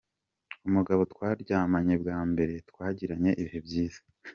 Umugabo twaryamanye bwa mbere twagiranye ibihe byiza.